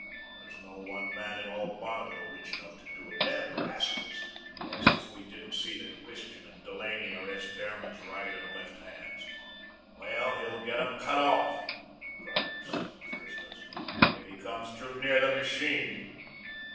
There's no one man in all Bonneville rich enough to do it. Damned rascals! as if we didn't see that Christian and Delaney are S. Behrman's right and left hands. Well, he'll get 'em cut off," he cried with sudden fierceness, "if he comes too near the machine."